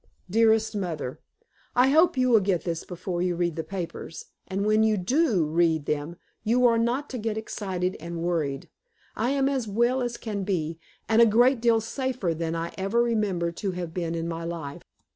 Dearest Mother: I hope you will get this before you read the papers, and when you DO read them, you are not to get excited and worried. I am as well as can be, and a great deal safer than I ever remember to have been in my life.